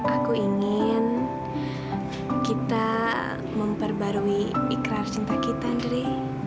aku ingin kita memperbarui ikrar cinta kita dari